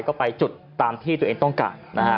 ก็ไปจุดตามที่ตัวเองต้องการนะฮะ